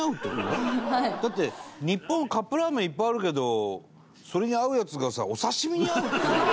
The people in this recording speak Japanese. だって日本カップラーメンいっぱいあるけどそれに合うやつがさお刺身に合うっていうのは。